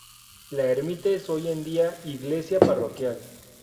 La ermita es hoy en día iglesia parroquial.